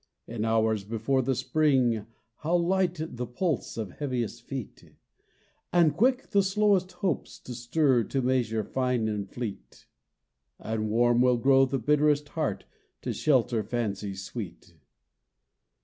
In hours before the spring, how light The pulse of heaviest feet! And quick the slowest hopes to stir To measures fine and fleet. And warm will grow the bitterest heart To shelter fancies sweet.